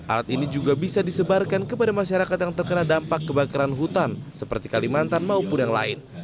alat ini juga bisa disebarkan kepada masyarakat yang terkena dampak kebakaran hutan seperti kalimantan maupun yang lain